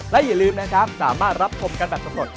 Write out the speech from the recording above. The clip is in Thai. และอย่าลืมนะครับสามารถรับชมกันแบบสำรวจ